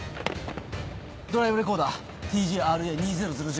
ドライブレコーダーＴＪＲＡ２００−Ｊ。